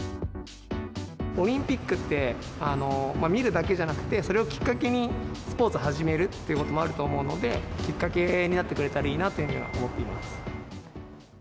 オリンピックって、見るだけじゃなくて、それをきっかけに、スポーツを始めるっていうこともあると思うので、きっかけになってくれたらいいなというふうには思っています。